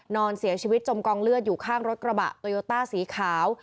นอนเสียชีวิตจมกองเลือดอยู่ข้างรถกระบะโตโยต้าสีขาว